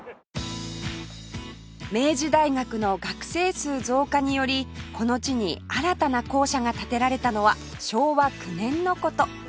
明治大学の学生数増加によりこの地に新たな校舎が建てられたのは昭和９年の事